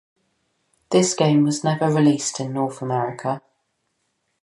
This game was never released in North America.